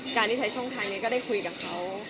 การที่ใช้ช่องทางนี้ก็ได้คุยกับเขา